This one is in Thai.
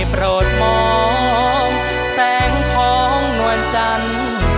โปรดมองแสงทองนวลจันทร์